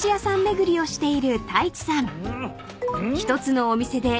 巡りをしている太一さん］